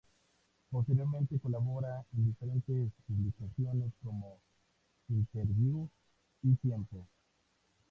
Posteriormente colabora en diferentes publicaciones como "Interviú" y "Tiempo".